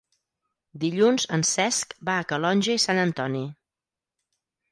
Dilluns en Cesc va a Calonge i Sant Antoni.